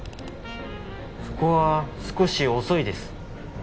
そこは少し遅いです